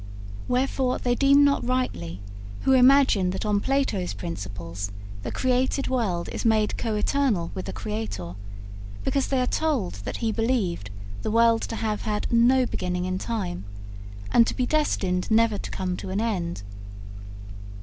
Wherefore they deem not rightly who imagine that on Plato's principles the created world is made co eternal with the Creator, because they are told that he believed the world to have had no beginning in time,[S] and to be destined never to come to an end.